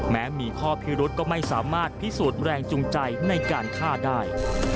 แม้มีข้อพิรุษก็ไม่สามารถพิสูจน์แรงจูงใจในการฆ่าได้